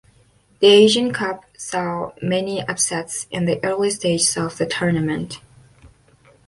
The Asian Cup saw many upsets in the early stages of the tournament.